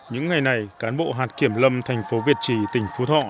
những ngày này cán bộ hạt kiểm lâm thành phố việt trì tỉnh phú thọ